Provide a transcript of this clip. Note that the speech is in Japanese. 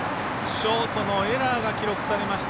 ショートのエラーが記録されました。